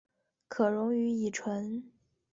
可溶于乙醇。